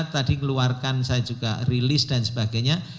tadi keluarkan saya juga rilis dan sebagainya